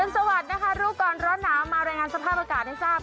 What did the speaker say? สวัสดีนะคะรู้ก่อนร้อนหนาวมารายงานสภาพอากาศให้ทราบ